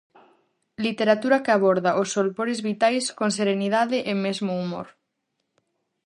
Literatura que aborda os solpores vitais con serenidade e mesmo humor.